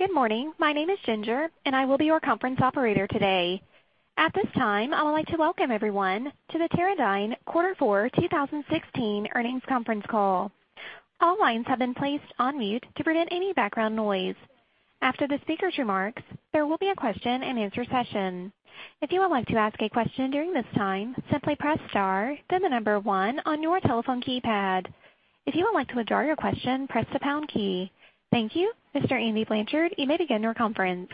Good morning. My name is Ginger, and I will be your conference operator today. At this time, I would like to welcome everyone to the Teradyne Quarter Four 2016 earnings conference call. All lines have been placed on mute to prevent any background noise. After the speaker's remarks, there will be a question-and-answer session. If you would like to ask a question during this time, simply press star, then the number 1 on your telephone keypad. If you would like to withdraw your question, press the pound key. Thank you. Mr. Andy Blanchard, you may begin your conference.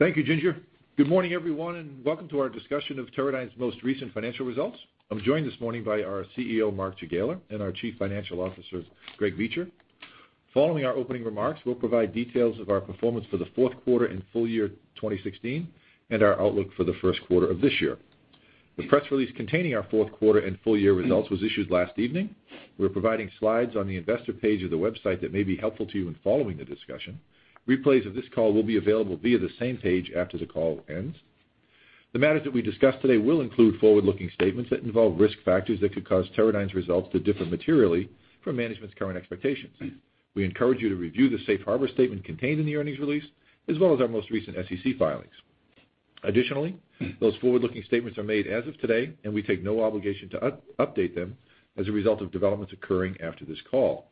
Thank you, Ginger. Good morning, everyone, and welcome to our discussion of Teradyne's most recent financial results. I'm joined this morning by our CEO, Mark Jagiela, and our Chief Financial Officer, Greg Beecher. Following our opening remarks, we'll provide details of our performance for the fourth quarter and full year 2016 and our outlook for the first quarter of this year. The press release containing our fourth quarter and full-year results was issued last evening. We're providing slides on the investor page of the website that may be helpful to you in following the discussion. Replays of this call will be available via the same page after the call ends. The matters that we discuss today will include forward-looking statements that involve risk factors that could cause Teradyne's results to differ materially from management's current expectations. We encourage you to review the safe harbor statement contained in the earnings release, as well as our most recent SEC filings. Additionally, those forward-looking statements are made as of today, and we take no obligation to update them as a result of developments occurring after this call.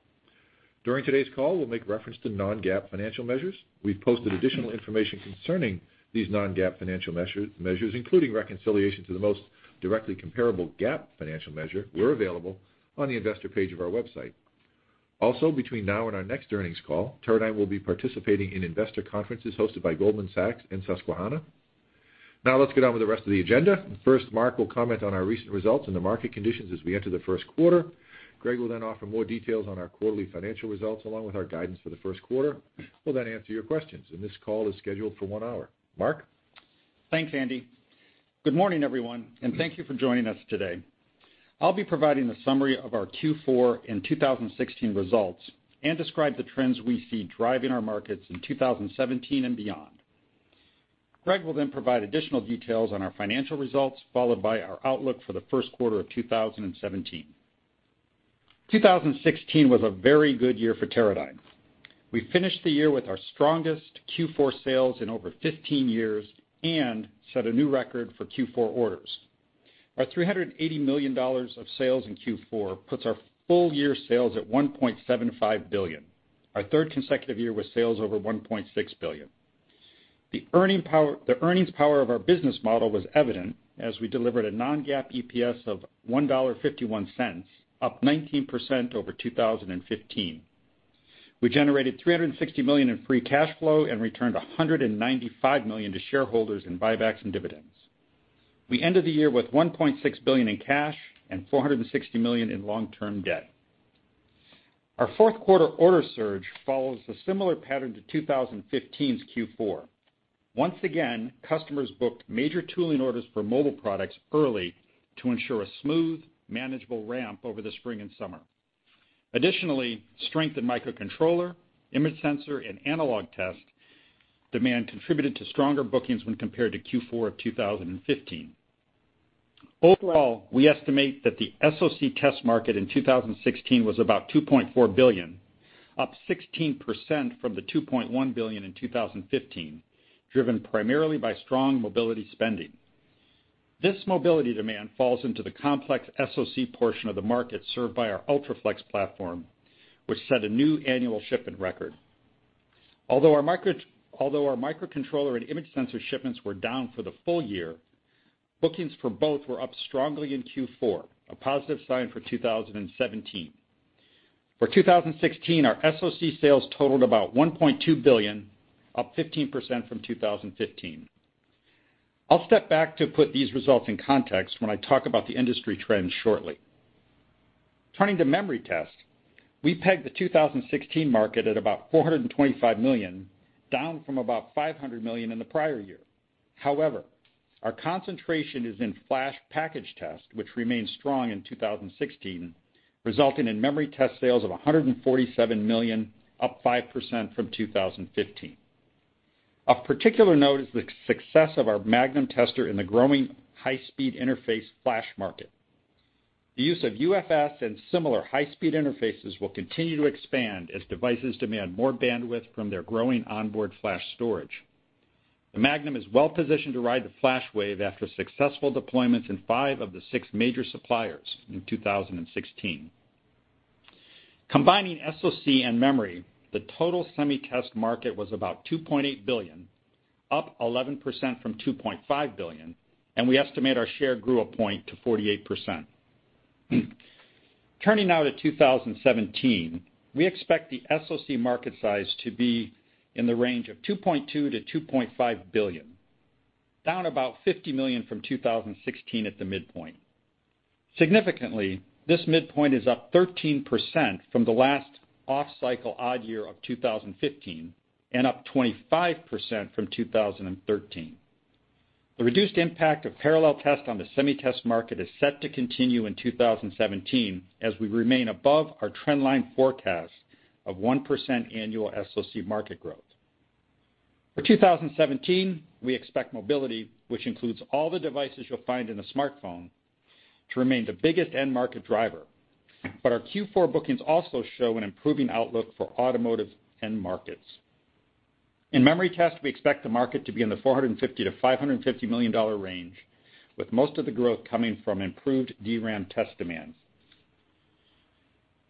During today's call, we'll make reference to non-GAAP financial measures. We've posted additional information concerning these non-GAAP financial measures, including reconciliation to the most directly comparable GAAP financial measure, were available on the investor page of our website. Also, between now and our next earnings call, Teradyne will be participating in investor conferences hosted by Goldman Sachs and Susquehanna. Let's get on with the rest of the agenda. First, Mark will comment on our recent results and the market conditions as we enter the first quarter. Greg will offer more details on our quarterly financial results, along with our guidance for the first quarter. We'll then answer your questions, and this call is scheduled for one hour. Mark? Thanks, Andy. Good morning, everyone, and thank you for joining us today. I'll be providing a summary of our Q4 and 2016 results and describe the trends we see driving our markets in 2017 and beyond. Greg will provide additional details on our financial results, followed by our outlook for the first quarter of 2017. 2016 was a very good year for Teradyne. We finished the year with our strongest Q4 sales in over 15 years and set a new record for Q4 orders. Our $380 million of sales in Q4 puts our full year sales at $1.75 billion, our third consecutive year with sales over $1.6 billion. The earnings power of our business model was evident as we delivered a non-GAAP EPS of $1.51, up 19% over 2015. We generated $360 million in free cash flow and returned $195 million to shareholders in buybacks and dividends. We ended the year with $1.6 billion in cash and $460 million in long-term debt. Our fourth quarter order surge follows a similar pattern to 2015's Q4. Once again, customers booked major tooling orders for mobile products early to ensure a smooth, manageable ramp over the spring and summer. Additionally, strength in microcontroller, image sensor, and analog test demand contributed to stronger bookings when compared to Q4 of 2015. Overall, we estimate that the SoC test market in 2016 was about $2.4 billion, up 16% from the $2.1 billion in 2015, driven primarily by strong mobility spending. This mobility demand falls into the complex SoC portion of the market served by our UltraFLEX platform, which set a new annual shipment record. Although our microcontroller and image sensor shipments were down for the full year, bookings for both were up strongly in Q4, a positive sign for 2017. For 2016, our SoC sales totaled about $1.2 billion, up 15% from 2015. I'll step back to put these results in context when I talk about the industry trends shortly. Turning to memory test, we pegged the 2016 market at about $425 million, down from about $500 million in the prior year. However, our concentration is in flash package test, which remained strong in 2016, resulting in memory test sales of $147 million, up 5% from 2015. Of particular note is the success of our Magnum tester in the growing high-speed interface flash market. The use of UFS and similar high-speed interfaces will continue to expand as devices demand more bandwidth from their growing onboard flash storage. The Magnum is well positioned to ride the flash wave after successful deployments in five of the six major suppliers in 2016. Combining SoC and memory, the total semi test market was about $2.8 billion, up 11% from $2.5 billion, and we estimate our share grew a point to 48%. Turning now to 2017, we expect the SoC market size to be in the range of $2.2 billion-$2.5 billion, down about $50 million from 2016 at the midpoint. Significantly, this midpoint is up 13% from the last off-cycle odd year of 2015 and up 25% from 2013. The reduced impact of parallel test on the semi test market is set to continue in 2017 as we remain above our trend line forecast of 1% annual SoC market growth. For 2017, we expect mobility, which includes all the devices you'll find in a smartphone, to remain the biggest end market driver. Our Q4 bookings also show an improving outlook for automotive end markets. In memory test, we expect the market to be in the $450 million-$550 million range, with most of the growth coming from improved DRAM test demand.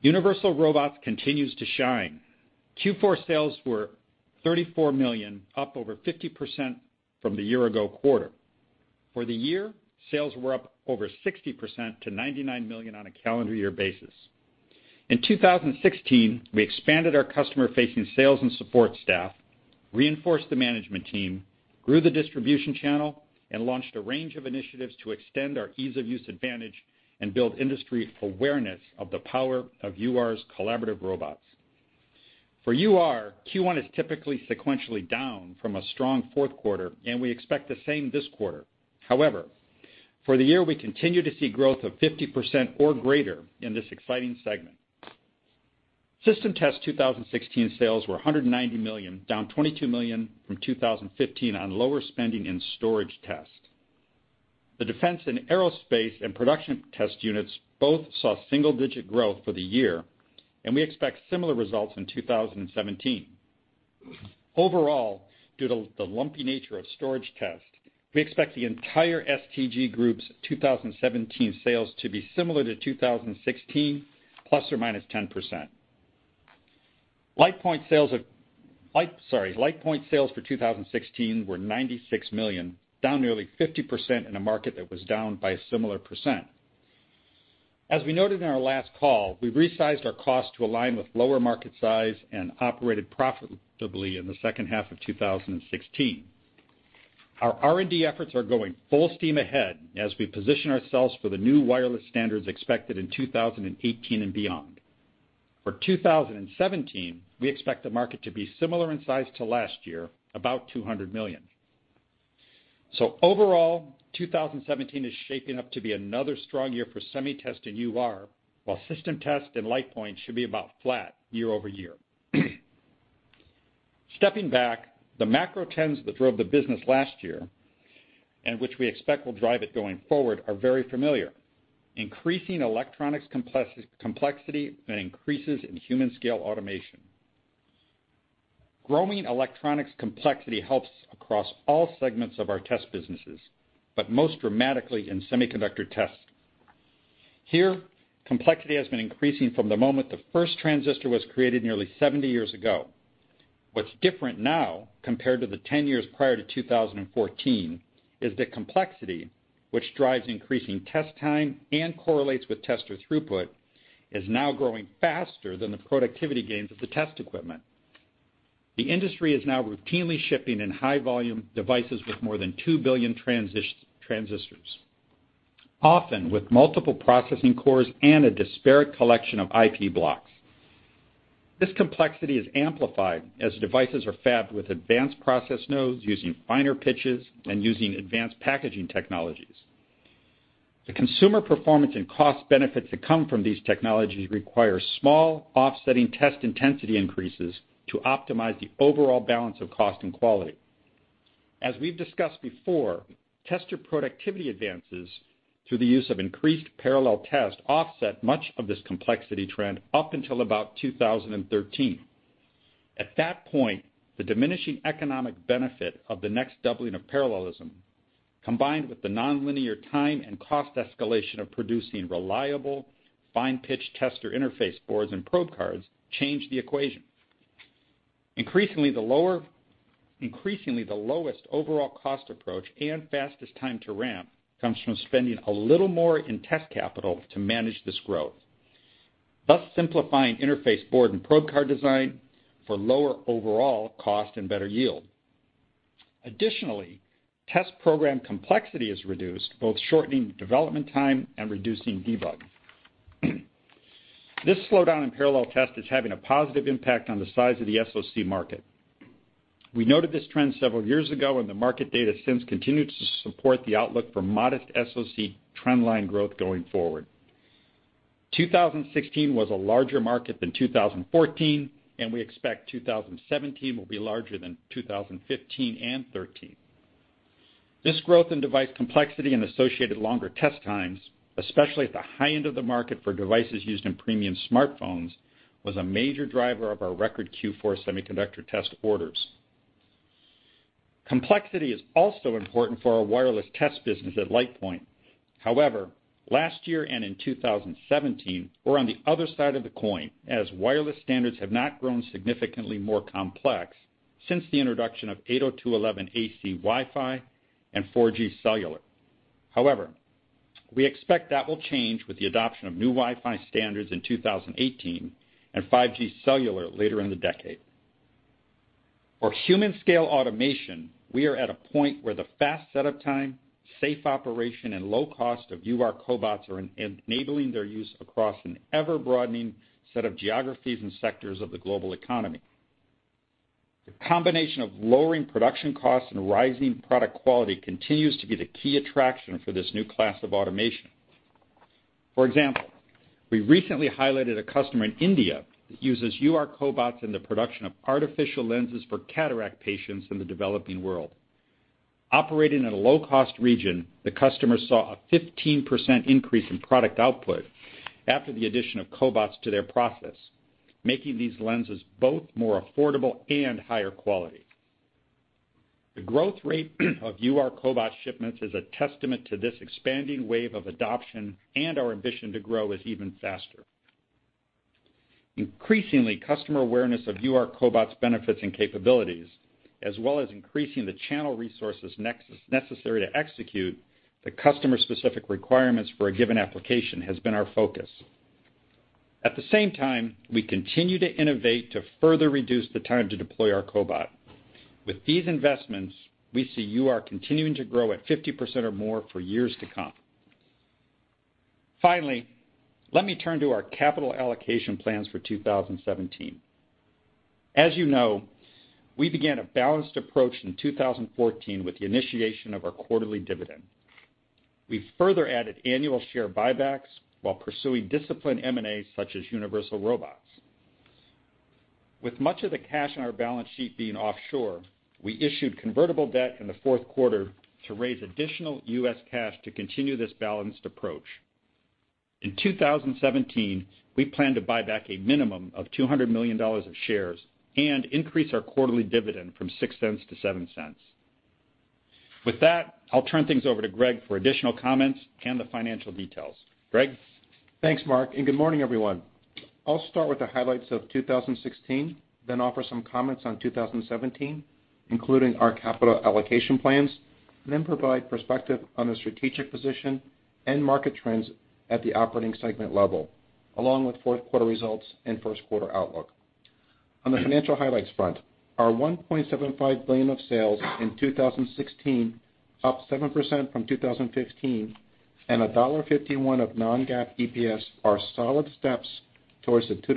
Universal Robots continues to shine. Q4 sales were $34 million, up over 50% from the year-ago quarter. For the year, sales were up over 60% to $99 million on a calendar year basis. In 2016, we expanded our customer-facing sales and support staff, reinforced the management team, grew the distribution channel, and launched a range of initiatives to extend our ease-of-use advantage and build industry awareness of the power of UR's collaborative robots. For UR, Q1 is typically sequentially down from a strong fourth quarter, and we expect the same this quarter. For the year, we continue to see growth of 50% or greater in this exciting segment. System Test 2016 sales were $190 million, down $22 million from 2015 on lower spending in storage test. The defense and aerospace and production test units both saw single-digit growth for the year, and we expect similar results in 2017. Due to the lumpy nature of storage test, we expect the entire STG group's 2017 sales to be similar to 2016, ±10%. LitePoint sales for 2016 were $96 million, down nearly 50% in a market that was down by a similar %. As we noted in our last call, we resized our cost to align with lower market size and operated profitably in the second half of 2016. Our R&D efforts are going full steam ahead as we position ourselves for the new wireless standards expected in 2018 and beyond. For 2017, we expect the market to be similar in size to last year, about $200 million. Overall, 2017 is shaping up to be another strong year for Semi Test and UR, while System Test and LitePoint should be about flat year-over-year. Stepping back, the macro trends that drove the business last year, and which we expect will drive it going forward, are very familiar. Increasing electronics complexity and increases in human scale automation. Growing electronics complexity helps across all segments of our test businesses, but most dramatically in Semiconductor Test. Here, complexity has been increasing from the moment the first transistor was created nearly 70 years ago. What's different now, compared to the 10 years prior to 2014, is that complexity, which drives increasing test time and correlates with tester throughput, is now growing faster than the productivity gains of the test equipment. The industry is now routinely shipping in high-volume devices with more than 2 billion transistors, often with multiple processing cores and a disparate collection of IP blocks. This complexity is amplified as devices are fabbed with advanced process nodes using finer pitches and using advanced packaging technologies. The consumer performance and cost benefits that come from these technologies require small offsetting test intensity increases to optimize the overall balance of cost and quality. As we've discussed before, tester productivity advances through the use of increased parallel test offset much of this complexity trend up until about 2013. At that point, the diminishing economic benefit of the next doubling of parallelism, combined with the nonlinear time and cost escalation of producing reliable, fine-pitch tester interface boards and probe cards, changed the equation. Increasingly, the lowest overall cost approach and fastest time to ramp comes from spending a little more in test capital to manage this growth, thus simplifying interface board and probe card design for lower overall cost and better yield. Additionally, test program complexity is reduced, both shortening development time and reducing debug. This slowdown in parallel test is having a positive impact on the size of the SoC market. We noted this trend several years ago, and the market data since continued to support the outlook for modest SoC trend line growth going forward. 2016 was a larger market than 2014, and we expect 2017 will be larger than 2015 and 2013. This growth in device complexity and associated longer test times, especially at the high end of the market for devices used in premium smartphones, was a major driver of our record Q4 Semiconductor Test orders. Complexity is also important for our wireless test business at LitePoint. Last year and in 2017, we're on the other side of the coin, as wireless standards have not grown significantly more complex since the introduction of 802.11ac Wi-Fi and 4G cellular. We expect that will change with the adoption of new Wi-Fi standards in 2018 and 5G cellular later in the decade. For human scale automation, we are at a point where the fast setup time, safe operation, and low cost of UR cobots are enabling their use across an ever-broadening set of geographies and sectors of the global economy. The combination of lowering production costs and rising product quality continues to be the key attraction for this new class of automation. For example, we recently highlighted a customer in India that uses UR cobots in the production of artificial lenses for cataract patients in the developing world. Operating in a low-cost region, the customer saw a 15% increase in product output after the addition of cobots to their process, making these lenses both more affordable and higher quality. The growth rate of UR cobot shipments is a testament to this expanding wave of adoption and our ambition to grow it even faster. Increasingly, customer awareness of UR cobots' benefits and capabilities, as well as increasing the channel resources necessary to execute the customer-specific requirements for a given application, has been our focus. At the same time, we continue to innovate to further reduce the time to deploy our cobot. With these investments, we see UR continuing to grow at 50% or more for years to come. Let me turn to our capital allocation plans for 2017. As you know, we began a balanced approach in 2014 with the initiation of our quarterly dividend. We further added annual share buybacks while pursuing disciplined M&As such as Universal Robots. With much of the cash on our balance sheet being offshore, we issued convertible debt in the fourth quarter to raise additional U.S. cash to continue this balanced approach. In 2017, we plan to buy back a minimum of $200 million of shares and increase our quarterly dividend from $0.06 to $0.07. With that, I'll turn things over to Greg for additional comments and the financial details. Greg? Thanks, Mark. Good morning, everyone. I'll start with the highlights of 2016, offer some comments on 2017, including our capital allocation plans, provide perspective on the strategic position and market trends at the operating segment level, along with fourth quarter results and first quarter outlook. On the financial highlights front, our $1.75 billion of sales in 2016, up 7% from 2015, and $1.51 of non-GAAP EPS are solid steps towards the $2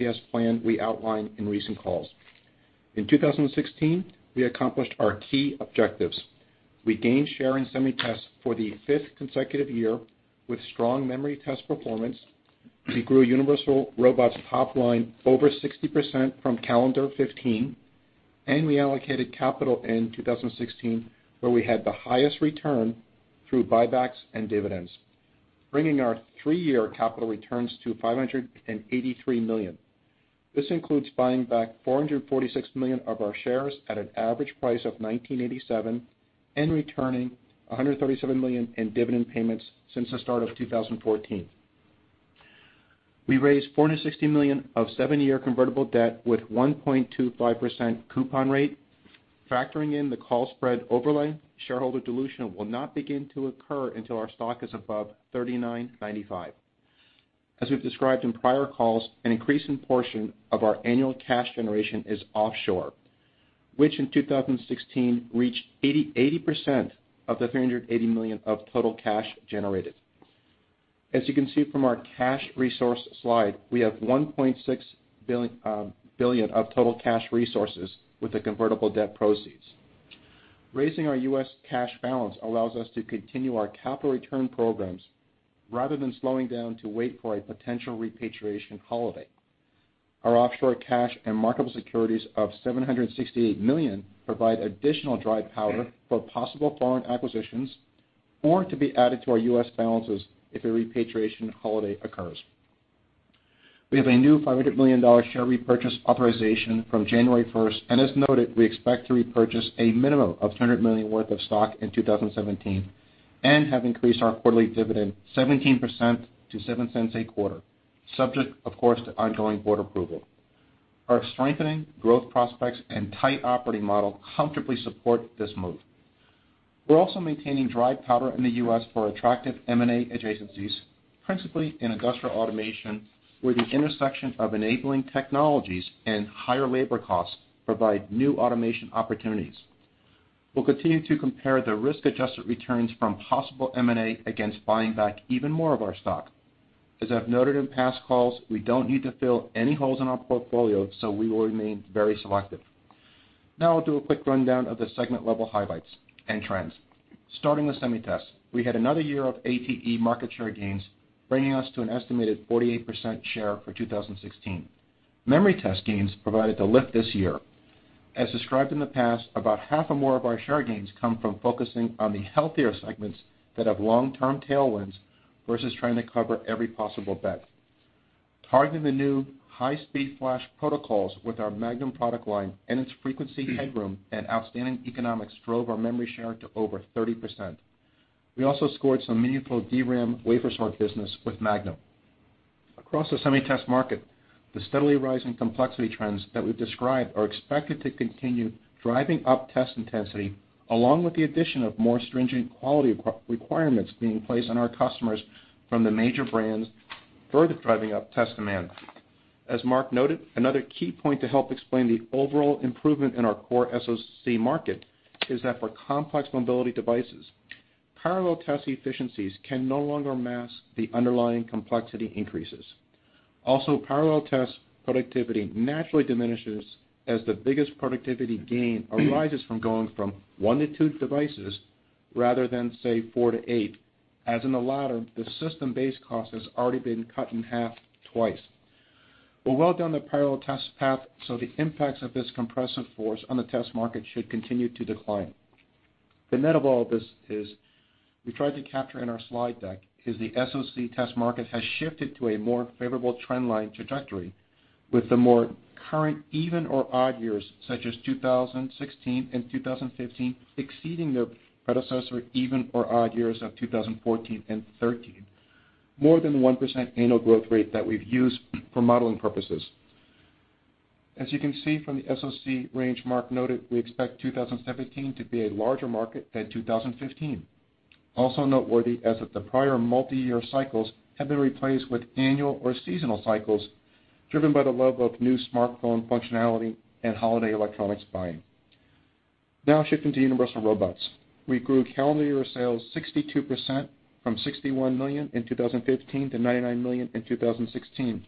EPS plan we outlined in recent calls. In 2016, we accomplished our key objectives. We gained share in SemiTest for the fifth consecutive year with strong memory test performance. We grew Universal Robots' top line over 60% from calendar 2015, we allocated capital in 2016, where we had the highest return through buybacks and dividends, bringing our three-year capital returns to $583 million. This includes buying back $446 million of our shares at an average price of $19.87 and returning $137 million in dividend payments since the start of 2014. We raised $460 million of seven-year convertible debt with 1.25% coupon rate. Factoring in the call spread overlay, shareholder dilution will not begin to occur until our stock is above $39.95. As we've described in prior calls, an increasing portion of our annual cash generation is offshore, which in 2016 reached 80% of the $380 million of total cash generated. As you can see from our cash resource slide, we have $1.6 billion of total cash resources with the convertible debt proceeds. Raising our U.S. cash balance allows us to continue our capital return programs rather than slowing down to wait for a potential repatriation holiday. Our offshore cash and marketable securities of $768 million provide additional dry powder for possible foreign acquisitions or to be added to our U.S. balances if a repatriation holiday occurs. We have a new $500 million share repurchase authorization from January 1st, and as noted, we expect to repurchase a minimum of $200 million worth of stock in 2017 and have increased our quarterly dividend 17% to $0.07 a quarter, subject, of course, to ongoing board approval. Our strengthening growth prospects and tight operating model comfortably support this move. We're also maintaining dry powder in the U.S. for attractive M&A adjacencies, principally in industrial automation, where the intersection of enabling technologies and higher labor costs provide new automation opportunities. We'll continue to compare the risk-adjusted returns from possible M&A against buying back even more of our stock. As I've noted in past calls, I don't need to fill any holes in our portfolio. We will remain very selective. Now I'll do a quick rundown of the segment level highlights and trends. Starting with SemiTest, we had another year of ATE market share gains, bringing us to an estimated 48% share for 2016. Memory test gains provided the lift this year. As described in the past, about half or more of our share gains come from focusing on the healthier segments that have long-term tailwinds versus trying to cover every possible bet. Targeting the new high-speed flash protocols with our Magnum product line and its frequency headroom and outstanding economics drove our memory share to over 30%. We also scored some meaningful DRAM wafer sort business with Magnum. Across the SemiTest market, the steadily rising complexity trends that we've described are expected to continue driving up test intensity, along with the addition of more stringent quality requirements being placed on our customers from the major brands, further driving up test demand. As Mark noted, another key point to help explain the overall improvement in our core SoC market is that for complex mobility devices, parallel test efficiencies can no longer mask the underlying complexity increases. Also, parallel test productivity naturally diminishes as the biggest productivity gain arises from going from one to two devices rather than, say, four to eight. As in the latter, the system base cost has already been cut in half twice. We're well down the parallel test path, so the impacts of this compressive force on the test market should continue to decline. The net of all this is, we tried to capture in our slide deck, is the SoC test market has shifted to a more favorable trend line trajectory with the more current even or odd years, such as 2016 and 2015, exceeding their predecessor even or odd years of 2014 and 2013, more than the 1% annual growth rate that we've used for modeling purposes. As you can see from the SoC range Mark noted, we expect 2017 to be a larger market than 2015. Also noteworthy, as of the prior multi-year cycles have been replaced with annual or seasonal cycles, driven by the love of new smartphone functionality and holiday electronics buying. Now shifting to Universal Robots. We grew calendar year sales 62% from $61 million in 2015 to $99 million in 2016.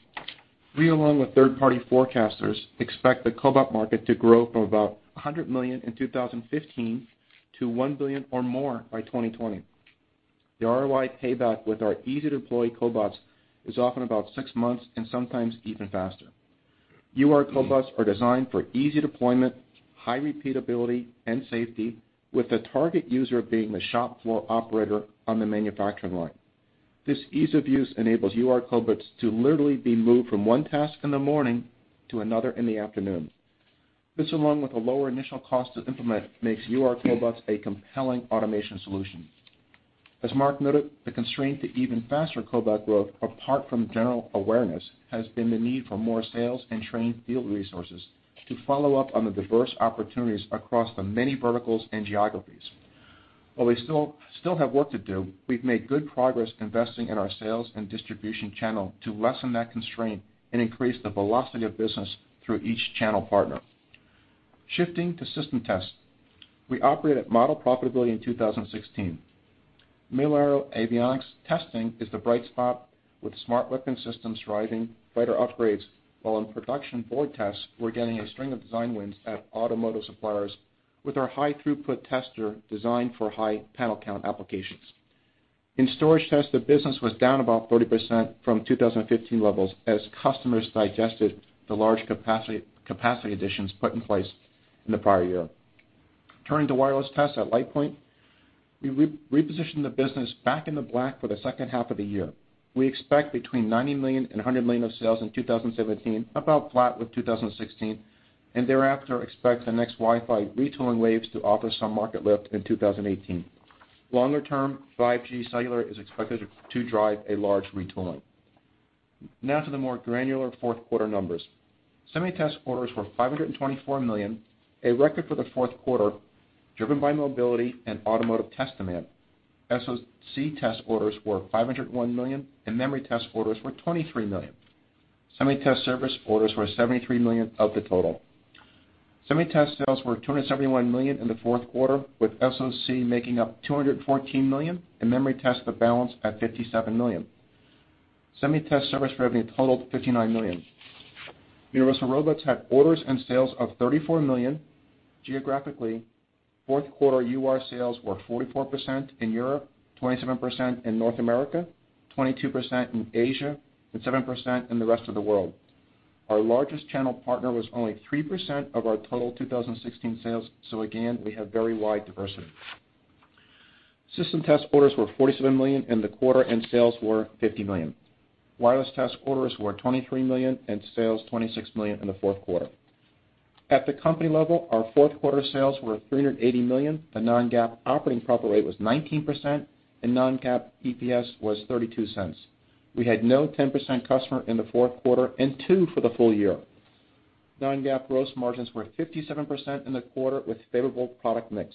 We, along with third-party forecasters, expect the cobot market to grow from about $100 million in 2015 to $1 billion or more by 2020. The ROI payback with our easy-to-deploy cobots is often about six months and sometimes even faster. UR cobots are designed for easy deployment, high repeatability, and safety, with the target user being the shop floor operator on the manufacturing line. This ease of use enables UR cobots to literally be moved from one task in the morning to another in the afternoon. This, along with a lower initial cost to implement, makes UR cobots a compelling automation solution. As Mark noted, the constraint to even faster cobot growth, apart from general awareness, has been the need for more sales and trained field resources to follow up on the diverse opportunities across the many verticals and geographies. While we still have work to do, we've made good progress investing in our sales and distribution channel to lessen that constraint and increase the velocity of business through each channel partner. Shifting to System Test. We operate at model profitability in 2016. Mil-Aero Avionics Testing is the bright spot, with smart weapon systems driving fighter upgrades, while in production board tests, we're getting a string of design wins at automotive suppliers with our high throughput tester designed for high panel count applications. In storage test, the business was down about 30% from 2015 levels as customers digested the large capacity additions put in place in the prior year. Turning to wireless tests at LitePoint, we repositioned the business back in the black for the second half of the year. We expect between $90 million and $100 million of sales in 2017, about flat with 2016, and thereafter expect the next Wi-Fi retooling waves to offer some market lift in 2018. Longer term, 5G cellular is expected to drive a large retooling. Now to the more granular fourth quarter numbers. SemiTest orders were $524 million, a record for the fourth quarter, driven by mobility and automotive test demand. SoC test orders were $501 million, and memory test orders were $23 million. SemiTest service orders were $73 million of the total. SemiTest sales were $271 million in the fourth quarter, with SoC making up $214 million and memory test the balance at $57 million. SemiTest service revenue totaled $59 million. Universal Robots had orders and sales of $34 million. Geographically, fourth quarter UR sales were 44% in Europe, 27% in North America, 22% in Asia, and 7% in the rest of the world. Our largest channel partner was only 3% of our total 2016 sales. Again, we have very wide diversity. System test orders were $47 million in the quarter, and sales were $50 million. Wireless test orders were $23 million, and sales $26 million in the fourth quarter. At the company level, our fourth quarter sales were $380 million, the non-GAAP operating profit rate was 19%, and non-GAAP EPS was $0.32. We had no 10% customer in the fourth quarter and two for the full year. Non-GAAP gross margins were 57% in the quarter with favorable product mix.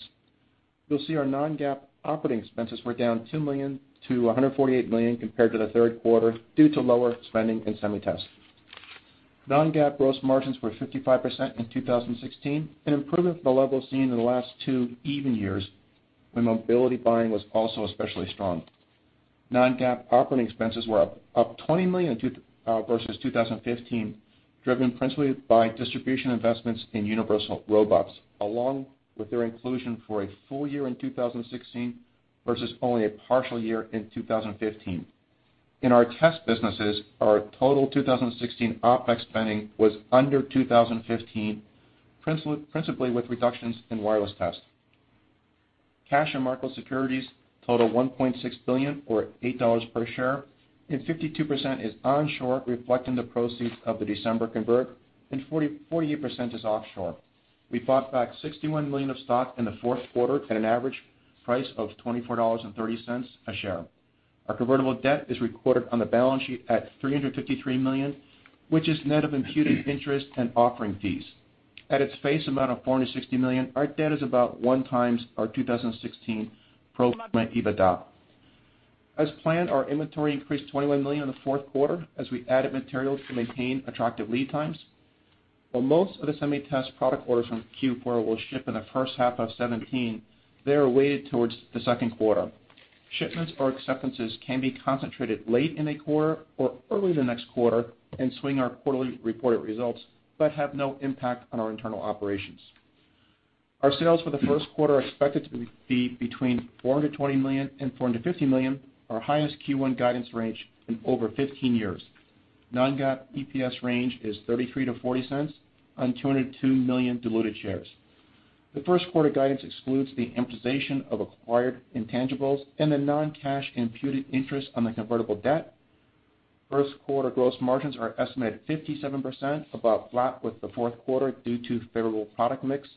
You'll see our non-GAAP operating expenses were down $2 million to $148 million compared to the third quarter due to lower spending in SemiTest. Non-GAAP gross margins were 55% in 2016, an improvement from the levels seen in the last two even years when mobility buying was also especially strong. Non-GAAP operating expenses were up $20 million versus 2015, driven principally by distribution investments in Universal Robots, along with their inclusion for a full year in 2016 versus only a partial year in 2015. In our test businesses, our total 2016 OpEx spending was under 2015, principally with reductions in wireless test. Cash and market securities total $1.6 billion or $8 per share, and 52% is onshore, reflecting the proceeds of the December convert, and 48% is offshore. We bought back $61 million of stock in the fourth quarter at an average price of $24.30 a share. Our convertible debt is recorded on the balance sheet at $353 million, which is net of imputed interest and offering fees. At its face amount of $460 million, our debt is about one times our 2016 pro forma EBITDA. As planned, our inventory increased $21 million in the fourth quarter as we added materials to maintain attractive lead times. While most of the Semi-Test product orders from Q4 will ship in the first half of 2017, they are weighted towards the second quarter. Shipments or acceptances can be concentrated late in a quarter or early the next quarter and swing our quarterly reported results, but have no impact on our internal operations. Our sales for the first quarter are expected to be between $420 million and $450 million, our highest Q1 guidance range in over 15 years. Non-GAAP EPS range is $0.33 to $0.40 on 202 million diluted shares. The first quarter guidance excludes the amortization of acquired intangibles and the non-cash imputed interest on the convertible debt. First quarter gross margins are estimated at 57%, about flat with the fourth quarter due to favorable product mix.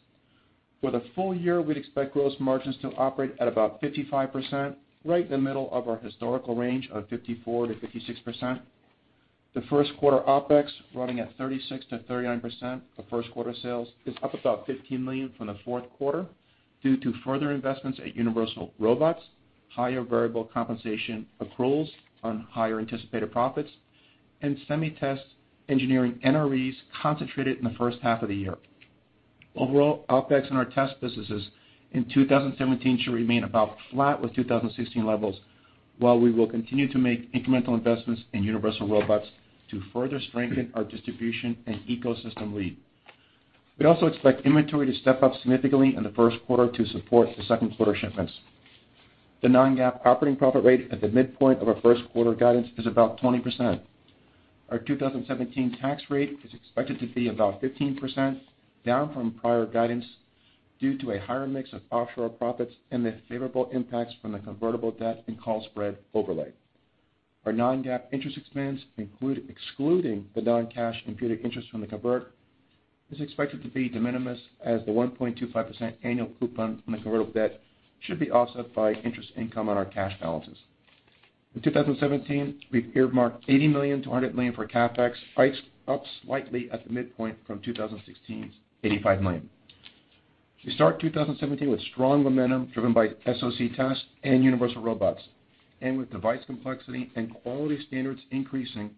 For the full year, we'd expect gross margins to operate at about 55%, right in the middle of our historical range of 54%-56%. The first quarter OpEx, running at 36%-39% of first quarter sales, is up about $15 million from the fourth quarter due to further investments at Universal Robots, higher variable compensation accruals on higher anticipated profits, and SemiTest engineering NREs concentrated in the first half of the year. Overall, OpEx in our test businesses in 2017 should remain about flat with 2016 levels, while we will continue to make incremental investments in Universal Robots to further strengthen our distribution and ecosystem lead. We'd also expect inventory to step up significantly in the first quarter to support the second quarter shipments. The non-GAAP operating profit rate at the midpoint of our first quarter guidance is about 20%. Our 2017 tax rate is expected to be about 15%, down from prior guidance due to a higher mix of offshore profits and the favorable impacts from the convertible debt and call spread overlay. Our non-GAAP interest expense, excluding the non-cash imputed interest from the convert, is expected to be de minimis, as the 1.25% annual coupon on the convertible debt should be offset by interest income on our cash balances. In 2017, we've earmarked $80 million-$100 million for CapEx, up slightly at the midpoint from 2016's $85 million. We start 2017 with strong momentum driven by SoC test and Universal Robots. With device complexity and quality standards increasing,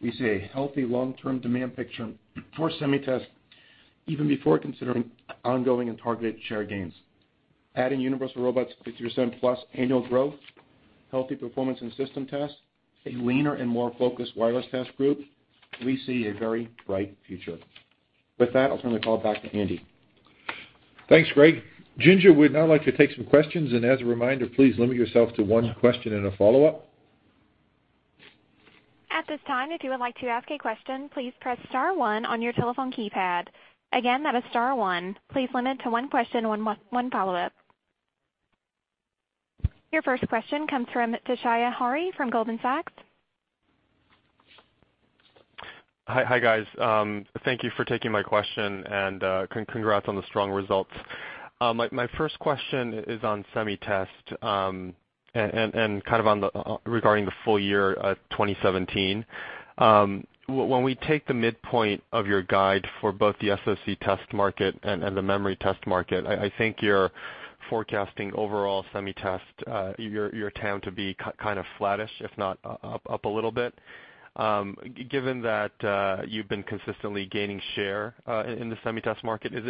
we see a healthy long-term demand picture for SemiTest even before considering ongoing and targeted share gains. Adding Universal Robots' 50%-plus annual growth, healthy performance in system tests, a leaner and more focused wireless test group, we see a very bright future. With that, I'll turn the call back to Andy. Thanks, Greg. Ginger would now like to take some questions, and as a reminder, please limit yourself to one question and a follow-up. At this time, if you would like to ask a question, please press star one on your telephone keypad. Again, that is star one. Please limit to one question and one follow-up. Your first question comes from Toshiya Hari from Goldman Sachs. Hi, guys. Thank you for taking my question. Congrats on the strong results. My first question is on SemiTest, and kind of regarding the full year of 2017. When we take the midpoint of your guide for both the SoC test market and the memory test market, I think you're forecasting overall SemiTest, your TAM to be kind of flattish, if not up a little bit. Given that you've been consistently gaining share in the SemiTest market, is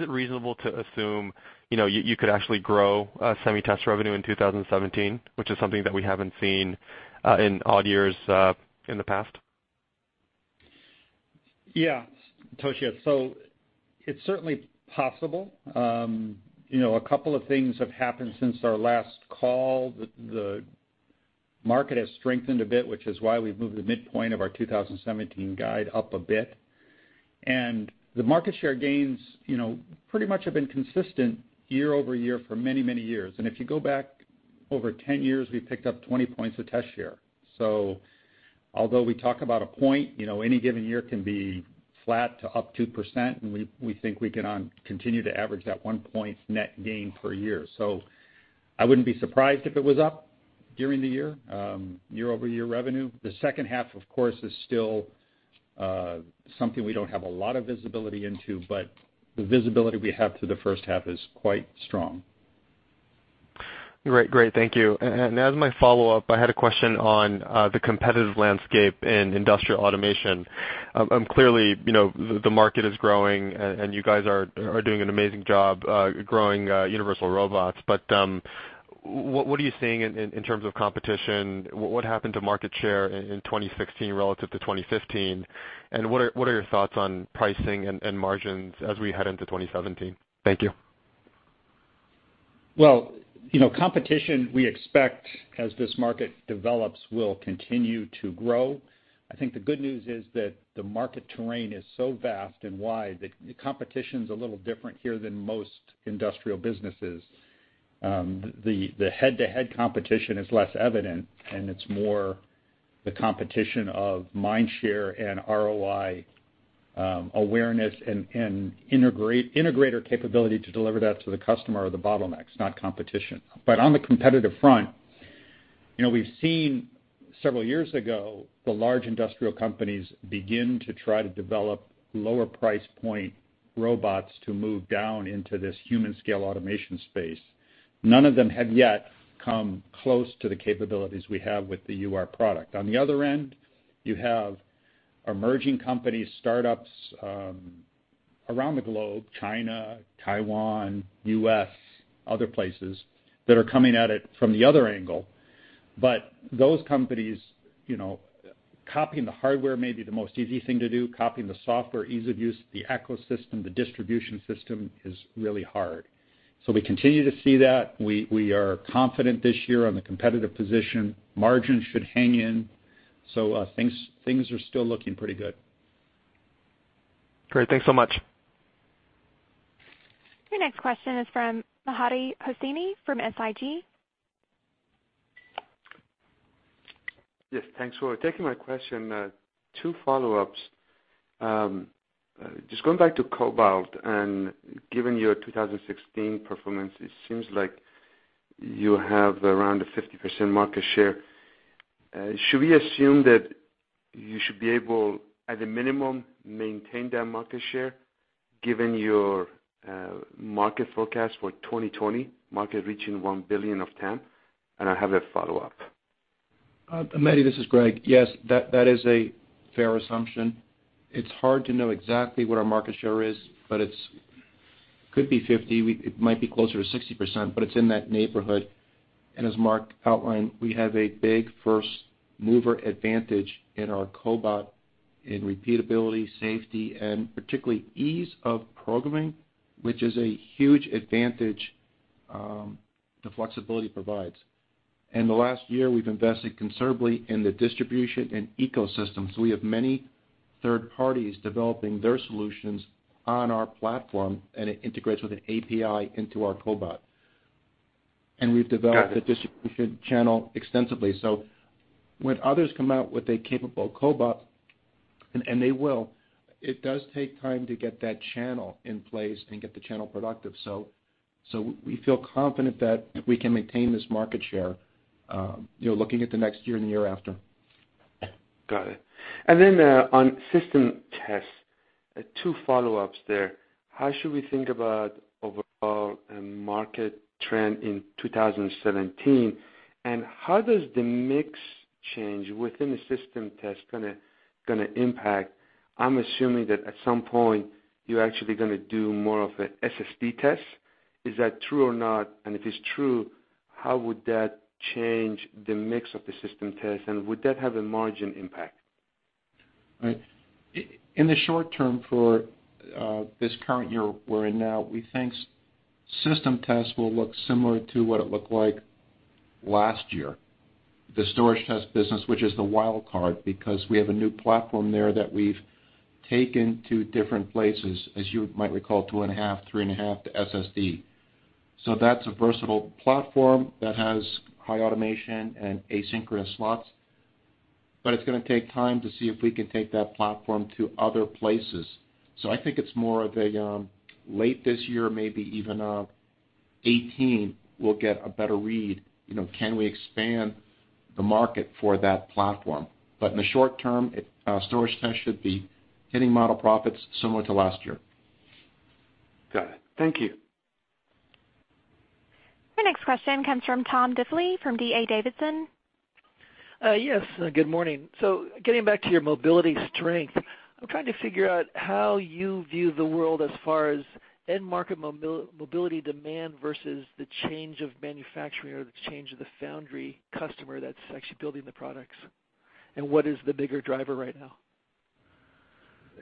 it reasonable to assume you could actually grow SemiTest revenue in 2017, which is something that we haven't seen in odd years in the past? Yeah, Toshiya. It's certainly possible. A couple of things have happened since our last call. The market has strengthened a bit, which is why we've moved the midpoint of our 2017 guide up a bit. The market share gains pretty much have been consistent year-over-year for many, many years. If you go back over 10 years, we've picked up 20 points of test share. Although we talk about a point, any given year can be flat to up 2%, and we think we can continue to average that one point net gain per year. I wouldn't be surprised if it was up during the year-over-year revenue. The second half, of course, is still something we don't have a lot of visibility into, but the visibility we have to the first half is quite strong. Great. Thank you. As my follow-up, I had a question on the competitive landscape in industrial automation. Clearly, the market is growing, and you guys are doing an amazing job growing Universal Robots. What are you seeing in terms of competition? What happened to market share in 2016 relative to 2015? What are your thoughts on pricing and margins as we head into 2017? Thank you. Competition, we expect as this market develops, will continue to grow. I think the good news is that the market terrain is so vast and wide that competition's a little different here than most industrial businesses. The head-to-head competition is less evident, and it's more the competition of mind share and ROI awareness and integrator capability to deliver that to the customer are the bottlenecks, not competition. On the competitive front, we've seen several years ago, the large industrial companies begin to try to develop lower price point robots to move down into this human scale automation space. None of them have yet come close to the capabilities we have with the UR product. On the other end, you have emerging companies, startups Around the globe, China, Taiwan, U.S., other places, that are coming at it from the other angle. Those companies, copying the hardware may be the most easy thing to do, copying the software, ease of use, the ecosystem, the distribution system is really hard. We continue to see that. We are confident this year on the competitive position. Margins should hang in. Things are still looking pretty good. Great. Thanks so much. Your next question is from Mehdi Hosseini from SIG. Yes, thanks for taking my question. Two follow-ups. Just going back to cobot and given your 2016 performance, it seems like you have around a 50% market share. Should we assume that you should be able, at the minimum, maintain that market share given your market forecast for 2020, market reaching $1 billion of TAM? I have a follow-up. Mehdi, this is Greg. Yes, that is a fair assumption. It's hard to know exactly what our market share is, but it could be 50, it might be closer to 60%, but it's in that neighborhood. As Mark outlined, we have a big first-mover advantage in our cobot in repeatability, safety, and particularly ease of programming, which is a huge advantage the flexibility provides. In the last year, we've invested considerably in the distribution and ecosystem, so we have many third parties developing their solutions on our platform, and it integrates with an API into our cobot. Got it We've developed the distribution channel extensively. When others come out with a capable cobot, and they will, it does take time to get that channel in place and get the channel productive. We feel confident that we can maintain this market share, looking at the next year and the year after. Got it. Then on system tests, two follow-ups there. How should we think about overall end market trend in 2017? How does the mix change within the system test going to impact? I'm assuming that at some point you're actually going to do more of a SSD test. Is that true or not? If it's true, how would that change the mix of the system test, and would that have a margin impact? In the short term for this current year we're in now, we think system tests will look similar to what it looked like last year. The storage test business, which is the wild card, because we have a new platform there that we've taken to different places, as you might recall, two and a half, three and a half to SSD. That's a versatile platform that has high automation and asynchronous slots, but it's going to take time to see if we can take that platform to other places. I think it's more of a late this year, maybe even 2018, we'll get a better read, can we expand the market for that platform? In the short term, storage test should be hitting model profits similar to last year. Got it. Thank you. Your next question comes from Tom Diffely from D.A. Davidson. Yes, good morning. Getting back to your mobility strength, I'm trying to figure out how you view the world as far as end market mobility demand versus the change of manufacturing or the change of the foundry customer that's actually building the products. What is the bigger driver right now?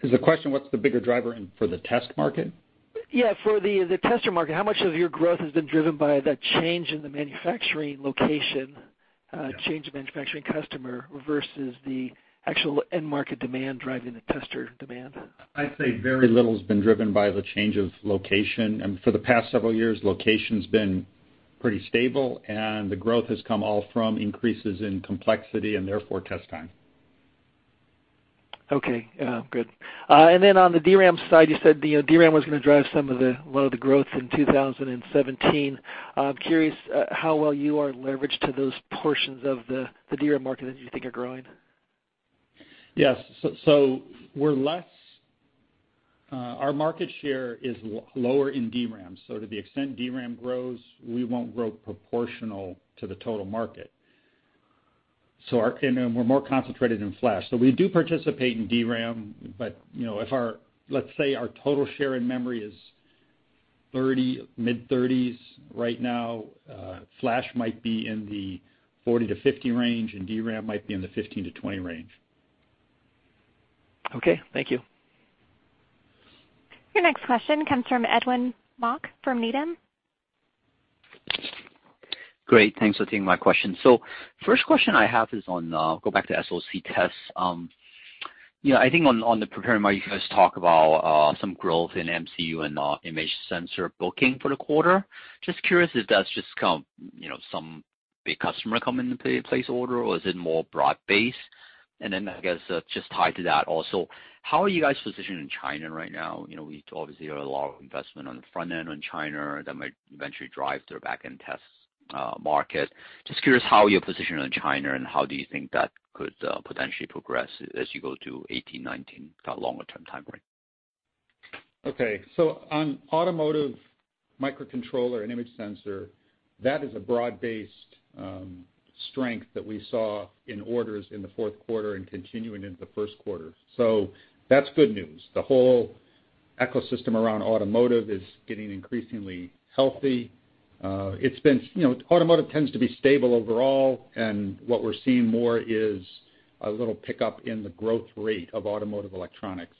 Is the question what's the bigger driver for the test market? For the tester market, how much of your growth has been driven by that change in the manufacturing location, change of manufacturing customer, versus the actual end market demand driving the tester demand? I'd say very little has been driven by the change of location. For the past several years, location's been pretty stable, and the growth has come all from increases in complexity and therefore test time. Okay, good. Then on the DRAM side, you said DRAM was going to drive a lot of the growth in 2017. I'm curious how well you are leveraged to those portions of the DRAM market that you think are growing. Yes. Our market share is lower in DRAM. To the extent DRAM grows, we won't grow proportional to the total market. We're more concentrated in flash. We do participate in DRAM, but let's say our total share in memory is 30, mid-30s right now. Flash might be in the 40-50 range, and DRAM might be in the 15-20 range. Okay, thank you. Your next question comes from Edwin Mok from Needham. Great, thanks for taking my question. First question I have is on, go back to SoC tests. I think on the prepared remarks, you guys talk about some growth in MCU and image sensor booking for the quarter. Just curious if that's just some big customer come in to place order, or is it more broad-based? I guess, just tied to that also, how are you guys positioned in China right now? We obviously heard a lot of investment on the front end on China that might eventually drive their back-end tests market. Just curious how you're positioned in China, and how do you think that could potentially progress as you go to 2018, 2019, kind of longer-term timeframe. Okay. On automotive microcontroller and image sensor, that is a broad-based strength that we saw in orders in the fourth quarter and continuing into the first quarter. That's good news. The whole ecosystem around automotive is getting increasingly healthy. Automotive tends to be stable overall, and what we're seeing more is a little pickup in the growth rate of automotive electronics.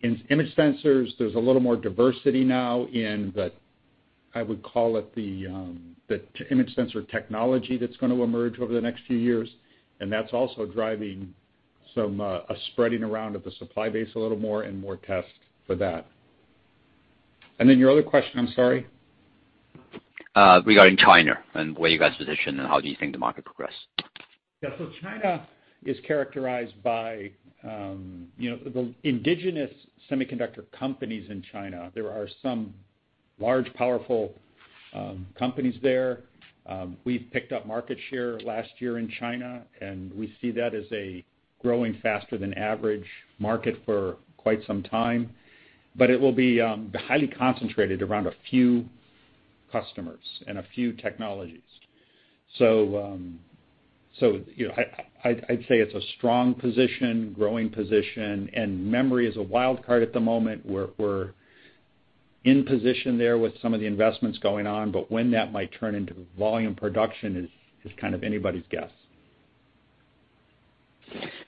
In image sensors, there's a little more diversity now in the, I would call it, the image sensor technology that's going to emerge over the next few years, and that's also driving a spreading around of the supply base a little more and more tests for that. Your other question, I'm sorry? Regarding China and where you guys position and how do you think the market progress? Yeah. China is characterized by the indigenous semiconductor companies in China. There are some large, powerful companies there. We've picked up market share last year in China, and we see that as a growing faster than average market for quite some time. It will be highly concentrated around a few customers and a few technologies. I'd say it's a strong position, growing position, and memory is a wild card at the moment. We're in position there with some of the investments going on, but when that might turn into volume production is kind of anybody's guess.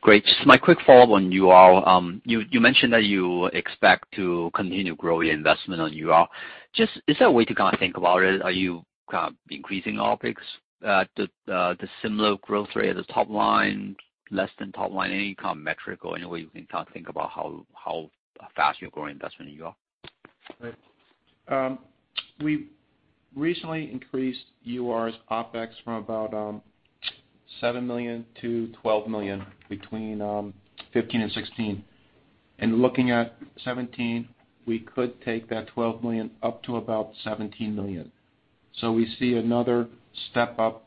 Great. My quick follow on UR. You mentioned that you expect to continue growing investment on UR. Is there a way to kind of think about it? Are you kind of increasing OpEx? The similar growth rate of the top line, less than top line? Any kind of metric or any way we can kind of think about how fast you're growing investment in UR? Right. We recently increased UR's OpEx from about $7 million to $12 million between 2015 and 2016. Looking at 2017, we could take that $12 million up to about $17 million. We see another step up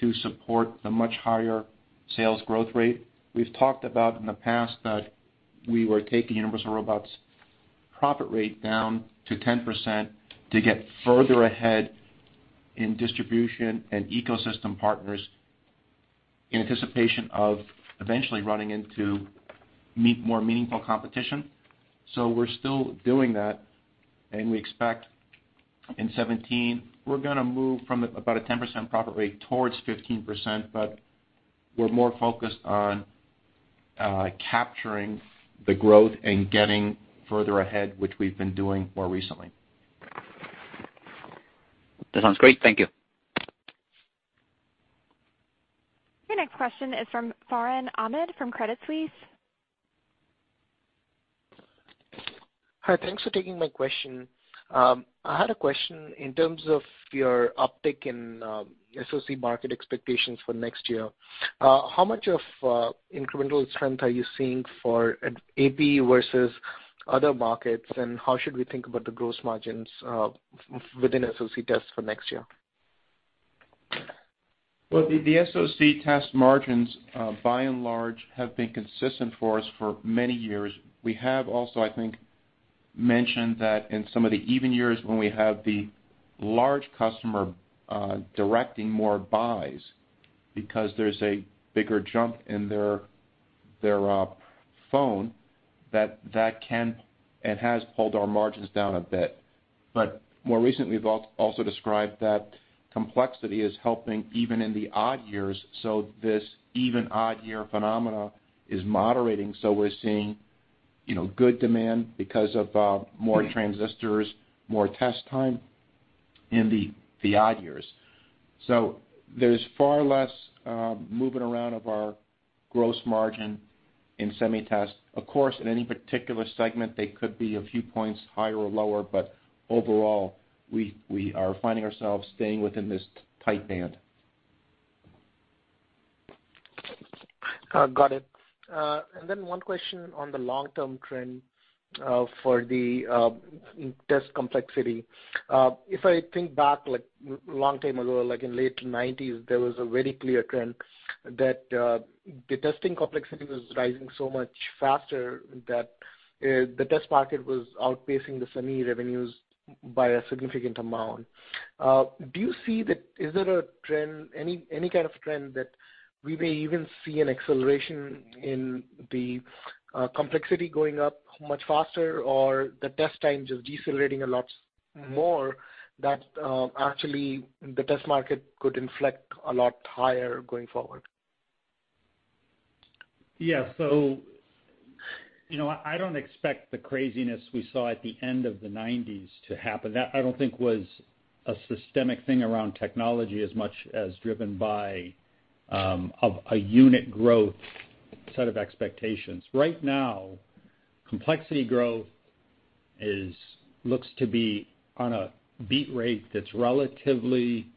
to support the much higher sales growth rate. We've talked about, in the past, that we were taking Universal Robots' profit rate down to 10% to get further ahead in distribution and ecosystem partners in anticipation of eventually running into more meaningful competition. We're still doing that, and we expect in 2017, we're going to move from about a 10% profit rate towards 15%, but we're more focused on capturing the growth and getting further ahead, which we've been doing more recently. That sounds great. Thank you. Your next question is from Farhan Ahmad from Credit Suisse. Hi. Thanks for taking my question. I had a question in terms of your uptick in SoC market expectations for next year. How much of incremental strength are you seeing for AP versus other markets, and how should we think about the gross margins within SoC tests for next year? Well, the SoC test margins, by and large, have been consistent for us for many years. We have also, I think, mentioned that in some of the even years when we have the large customer directing more buys because there's a bigger jump in their phone, that can and has pulled our margins down a bit. More recently, we've also described that complexity is helping even in the odd years. This even, odd year phenomena is moderating. We're seeing good demand because of more transistors, more test time in the odd years. There's far less moving around of our gross margin in SemiTest. Of course, in any particular segment, they could be a few points higher or lower, but overall, we are finding ourselves staying within this tight band. Got it. One question on the long-term trend for the test complexity. If I think back, like long time ago, like in late 1990s, there was a very clear trend that the testing complexity was rising so much faster that the test market was outpacing the semi revenues by a significant amount. Is there any kind of trend that we may even see an acceleration in the complexity going up much faster, or the test times just decelerating a lot more that actually the test market could inflect a lot higher going forward? So, I don't expect the craziness we saw at the end of the '90s to happen. That, I don't think was a systemic thing around technology as much as driven by a unit growth set of expectations. Right now, complexity growth looks to be on a beat rate that's relatively,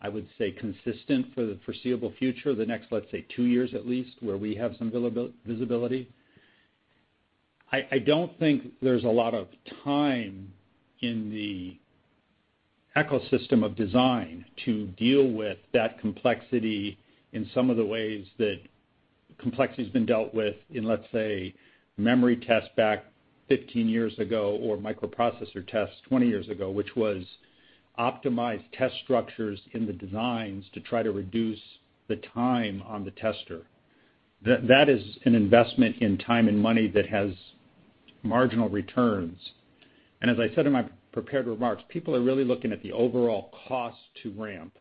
I would say, consistent for the foreseeable future, the next, let's say, two years at least, where we have some visibility. I don't think there's a lot of time in the ecosystem of design to deal with that complexity in some of the ways that complexity's been dealt with in, let's say, memory test back 15 years ago, or microprocessor test 20 years ago, which was optimized test structures in the designs to try to reduce the time on the tester. That is an investment in time and money that has marginal returns. As I said in my prepared remarks, people are really looking at the overall cost to ramp,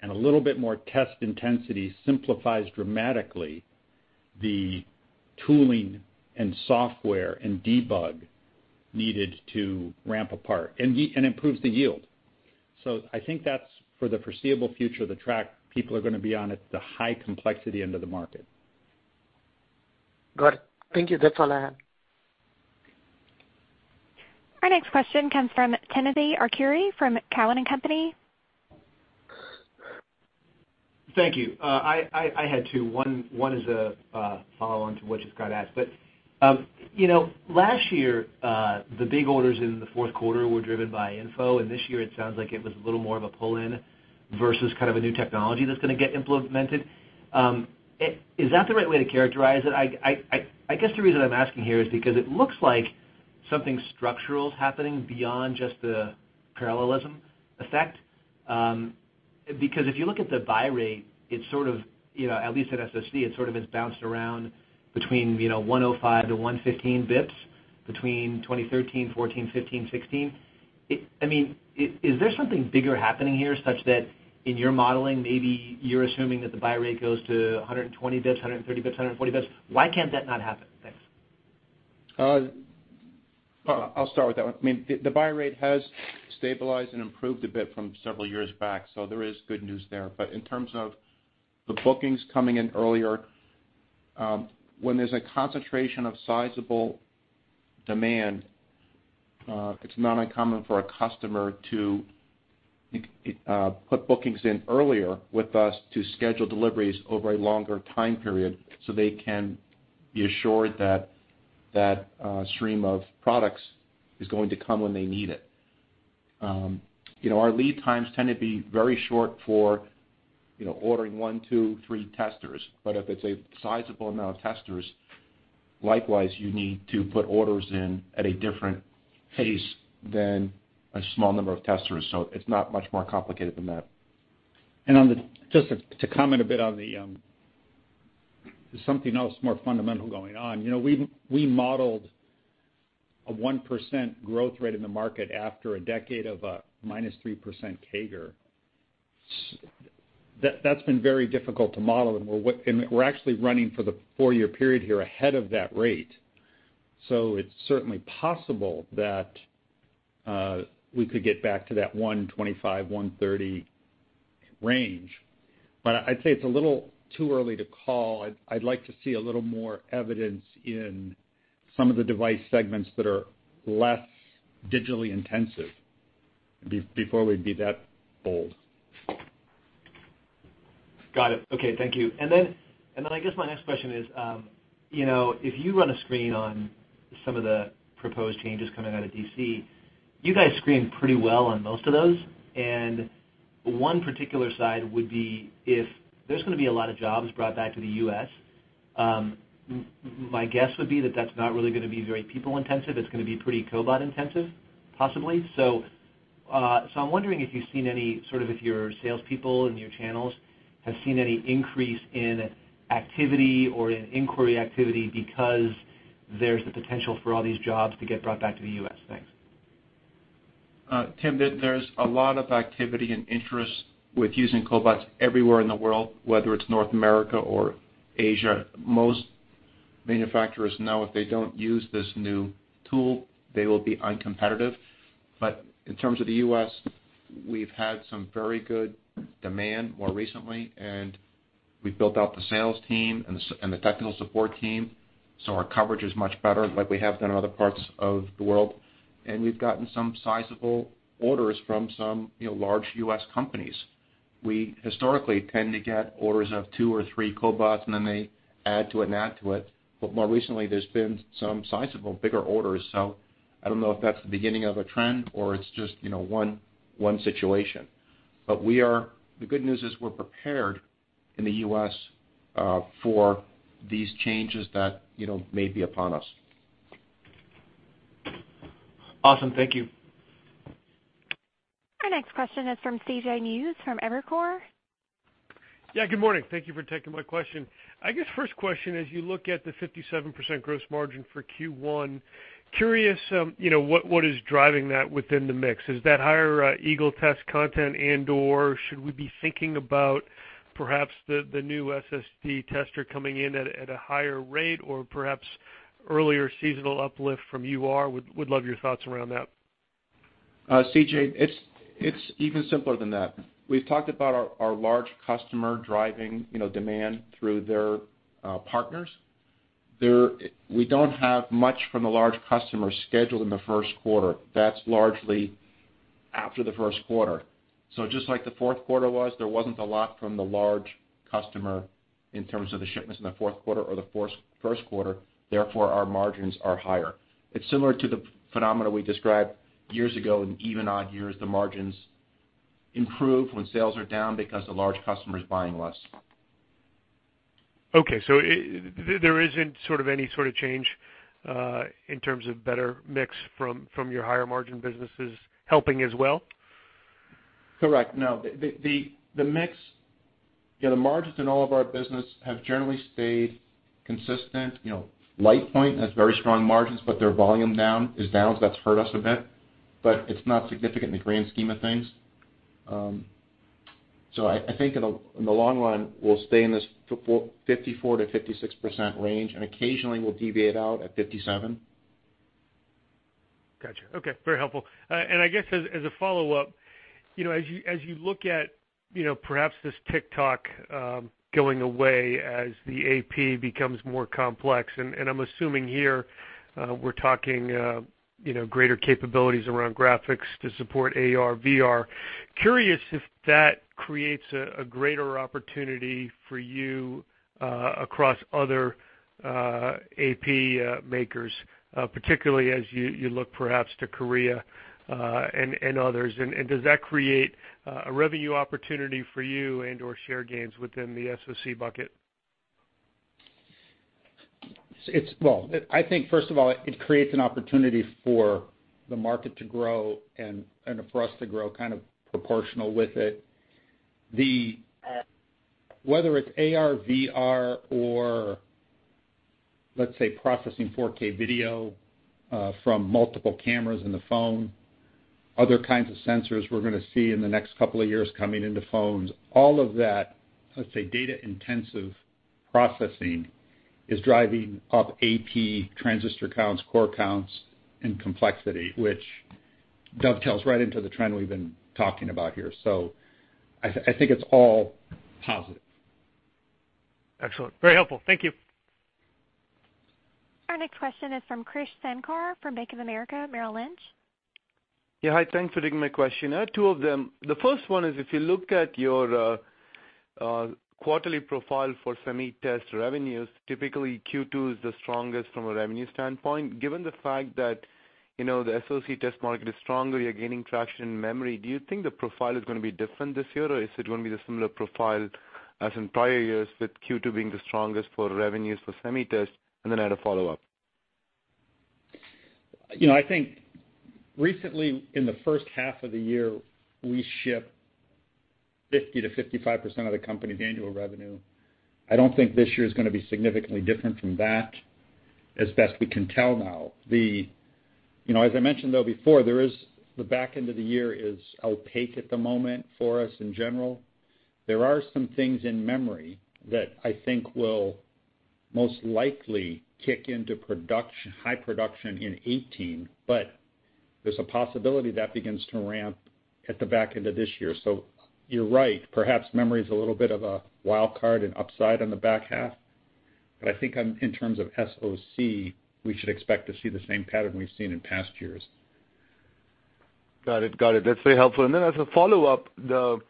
and a little bit more test intensity simplifies dramatically the tooling and software and debug needed to ramp a part and improves the yield. So I think that's for the foreseeable future, the track people are going to be on at the high complexity end of the market. Got it. Thank you. That's all I have. Our next question comes from Timothy Arcuri from Cowen and Company. Thank you. I had two. One is a follow-on to what just got asked. Last year, the big orders in the fourth quarter were driven by InFO, and this year it sounds like it was a little more of a pull-in versus kind of a new technology that's going to get implemented. Is that the right way to characterize it? I guess the reason I'm asking here is because it looks like something structural is happening beyond just the parallelism effect. Because if you look at the buy rate, at least at SSD, it sort of has bounced around between 105-115 bps between 2013, 2014, 2015, 2016. Is there something bigger happening here, such that in your modeling, maybe you're assuming that the buy rate goes to 120 bps, 130 bps, 140 bps? Why can't that not happen? Thanks. I'll start with that one. The buy rate has stabilized and improved a bit from several years back, so there is good news there. In terms of the bookings coming in earlier, when there's a concentration of sizable demand, it's not uncommon for a customer to put bookings in earlier with us to schedule deliveries over a longer time period so they can be assured that that stream of products is going to come when they need it. Our lead times tend to be very short for ordering one, two, three testers. If it's a sizable amount of testers, likewise, you need to put orders in at a different pace than a small number of testers. It's not much more complicated than that. Just to comment a bit, there's something else more fundamental going on. We modeled a 1% growth rate in the market after a decade of a minus 3% CAGR. That's been very difficult to model, and we're actually running for the four-year period here ahead of that rate. It's certainly possible that we could get back to that 125, 130 range. I'd say it's a little too early to call. I'd like to see a little more evidence in some of the device segments that are less digitally intensive before we'd be that bold. Got it. Okay. Thank you. Then I guess my next question is, if you run a screen on some of the proposed changes coming out of D.C., you guys screen pretty well on most of those. One particular side would be if there's going to be a lot of jobs brought back to the U.S., my guess would be that that's not really going to be very people-intensive. It's going to be pretty cobot-intensive, possibly. I'm wondering if you've seen any, sort of if your salespeople and your channels have seen any increase in activity or in inquiry activity because there's the potential for all these jobs to get brought back to the U.S. Thanks. Tim, there's a lot of activity and interest with using cobots everywhere in the world, whether it's North America or Asia. Most manufacturers know if they don't use this new tool, they will be uncompetitive. In terms of the U.S., we've had some very good demand more recently, and we've built out the sales team and the technical support team, so our coverage is much better like we have done in other parts of the world. We've gotten some sizable orders from some large U.S. companies. We historically tend to get orders of two or three cobots, and then they add to it and add to it. More recently, there's been some sizable, bigger orders. I don't know if that's the beginning of a trend or it's just one situation. The good news is we're prepared in the U.S. for these changes that may be upon us. Awesome. Thank you. Our next question is from C.J. Muse from Evercore. Yeah, good morning. Thank you for taking my question. I guess first question, as you look at the 57% gross margin for Q1, curious, what is driving that within the mix? Is that higher Eagle Test content and/or should we be thinking about perhaps the new SSD tester coming in at a higher rate or perhaps earlier seasonal uplift from UR? Would love your thoughts around that. C.J., it's even simpler than that. We've talked about our large customer driving demand through their partners. We don't have much from the large customers scheduled in the first quarter. That's largely after the first quarter. Just like the fourth quarter was, there wasn't a lot from the large customer in terms of the shipments in the fourth quarter or the first quarter, therefore, our margins are higher. It's similar to the phenomena we described years ago. In even odd years, the margins improve when sales are down because the large customer is buying less. Okay, there isn't any sort of change in terms of better mix from your higher margin businesses helping as well? Correct. No. The margins in all of our business have generally stayed consistent. LitePoint has very strong margins, but their volume is down, so that's hurt us a bit. It's not significant in the grand scheme of things. I think in the long run, we'll stay in this 54%-56% range, and occasionally we'll deviate out at 57%. Got you. Okay. Very helpful. I guess as a follow-up, as you look at perhaps this tick-tock going away as the AP becomes more complex, and I'm assuming here we're talking greater capabilities around graphics to support AR/VR. Curious if that creates a greater opportunity for you across other AP makers, particularly as you look perhaps to Korea, and others. Does that create a revenue opportunity for you and/or share gains within the SoC bucket? I think, first of all, it creates an opportunity for the market to grow and for us to grow proportional with it. Whether it's AR/VR or let's say, processing 4K video from multiple cameras in the phone, other kinds of sensors we're going to see in the next couple of years coming into phones, all of that, let's say, data-intensive processing is driving up AP transistor counts, core counts, and complexity, which dovetails right into the trend we've been talking about here. I think it's all positive. Excellent. Very helpful. Thank you. Our next question is from Krish Sankar from Bank of America Merrill Lynch. Yeah, hi. Thanks for taking my question. I have two of them. The first one is, if you look at your quarterly profile for Semi-Test revenues, typically Q2 is the strongest from a revenue standpoint. Given the fact that the SoC test market is stronger, you're gaining traction in memory, do you think the profile is going to be different this year, or is it going to be the similar profile as in prior years with Q2 being the strongest for revenues for Semi-Test? I had a follow-up. I think recently, in the first half of the year, we ship 50%-55% of the company's annual revenue. I don't think this year is going to be significantly different from that as best we can tell now. As I mentioned though before, the back end of the year is opaque at the moment for us in general. There are some things in memory that I think will most likely kick into high production in 2018, but there's a possibility that begins to ramp at the back end of this year. You're right, perhaps memory's a little bit of a wild card and upside in the back half. I think in terms of SoC, we should expect to see the same pattern we've seen in past years. Got it. That's very helpful. As a follow-up, the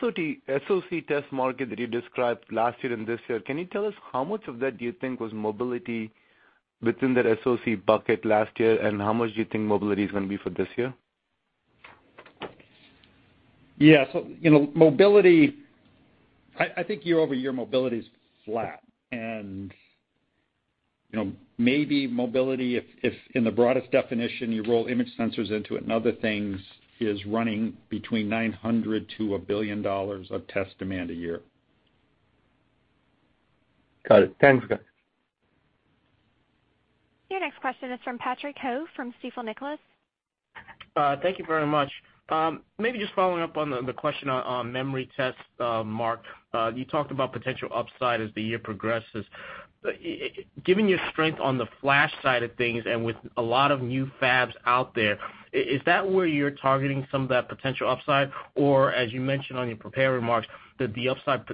SoC test market that you described last year and this year, can you tell us how much of that do you think was mobility within that SoC bucket last year, and how much do you think mobility is going to be for this year? Yeah. I think year-over-year, mobility's flat. Maybe mobility, if in the broadest definition, you roll image sensors into it and other things, is running between $900 to $1 billion of test demand a year. Got it. Thanks, guys. Your next question is from Patrick Ho from Stifel Nicolaus. Thank you very much. Maybe just following up on the question on memory test, Mark. You talked about potential upside as the year progresses. Given your strength on the flash side of things and with a lot of new fabs out there, is that where you're targeting some of that potential upside? Or as you mentioned on your prepared remarks, that the upside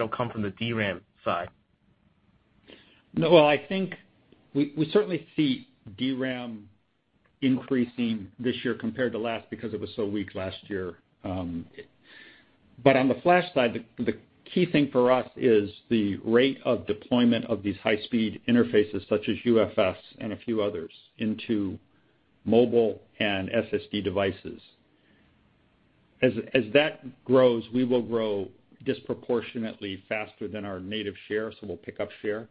will come from the DRAM side? I think we certainly see DRAM increasing this year compared to last because it was so weak last year. On the flash side, the key thing for us is the rate of deployment of these high-speed interfaces, such as UFS and a few others, into mobile and SSD devices. As that grows, we will grow disproportionately faster than our native share, so we'll pick up share.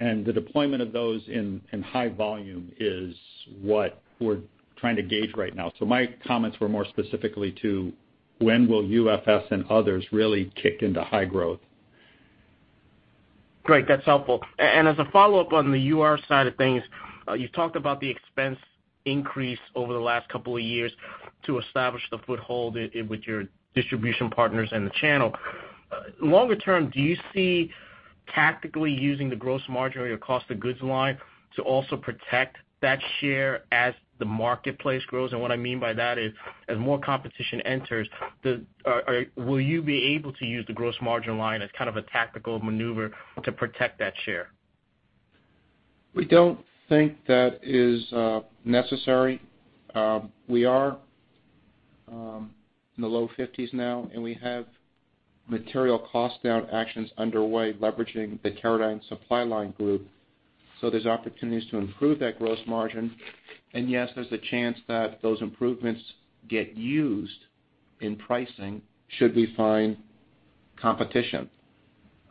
The deployment of those in high volume is what we're trying to gauge right now. My comments were more specifically to when will UFS and others really kick into high growth. Great. That's helpful. As a follow-up on the UR side of things, you talked about the expense increase over the last couple of years to establish the foothold with your distribution partners and the channel. Longer term, do you see tactically using the gross margin or your cost of goods line to also protect that share as the marketplace grows? What I mean by that is, as more competition enters, will you be able to use the gross margin line as kind of a tactical maneuver to protect that share? We don't think that is necessary. We are in the low 50s now, we have material cost-down actions underway leveraging the Teradyne supply line group. There's opportunities to improve that gross margin. Yes, there's a chance that those improvements get used in pricing should we find competition.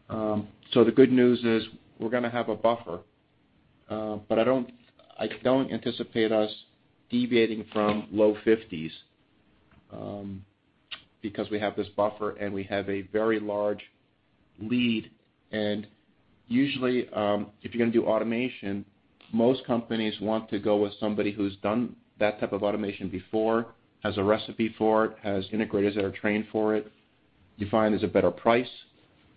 The good news is we're going to have a buffer. I don't anticipate us deviating from low 50s, because we have this buffer and we have a very large lead. Usually, if you're going to do automation, most companies want to go with somebody who's done that type of automation before, has a recipe for it, has integrators that are trained for it, you find there's a better price